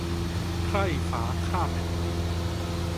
ไพร่ฟ้าข้าแผ่นดิน